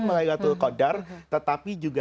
melayu latul qadar tetapi juga